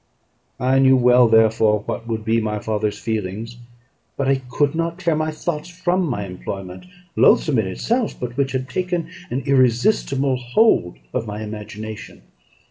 I knew well therefore what would be my father's feelings; but I could not tear my thoughts from my employment, loathsome in itself, but which had taken an irresistible hold of my imagination.